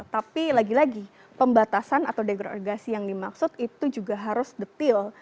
tapi lagi lagi pembatasan atau degrarigasi yang dimaksud itu juga harus detil